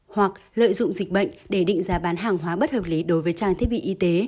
hoặc lợi dụng dịch bệnh để định giá bán hàng hóa bất hợp lý đối với trang thiết bị y tế